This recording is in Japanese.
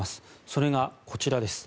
それがこちらです。